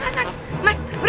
kerada pake akses